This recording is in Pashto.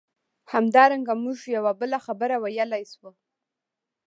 همدارنګه موږ یوه بله خبره ویلای شو.